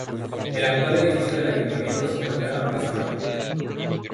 El actual edificio del Ayuntamiento, se encuentra en la Plaza Mayor.